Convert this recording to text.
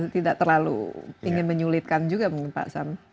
tidak terlalu ingin menyulitkan juga mungkin pak sam